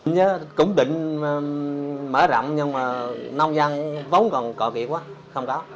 nhớ cũng định mở rộng nhưng mà nông dân vốn còn cọ kiệt quá không có